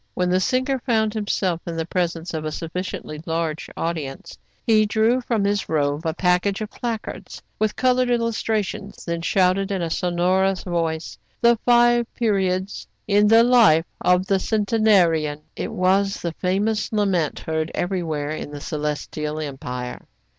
When the singer found himself in the presence of a sufficiently large audience, he drew from his robe a package of placards, with colored illustra tions, then shouted in a sonorous voice, —" The Five Periods in the Life of the Centena »» nan. It was the famous lament heard everywhere in the Celestial Empire.